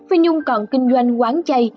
phi nhung còn kinh doanh quán chay